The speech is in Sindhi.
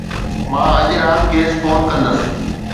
مان اڄ رات کيس فون ڪندس.